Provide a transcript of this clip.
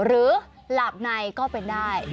หรือหลับในก็เป็นได้